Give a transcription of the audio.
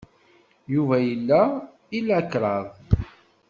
Yuba yella ila kraḍ.